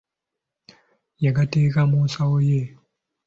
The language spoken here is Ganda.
Yagateeka mu nsawo ye.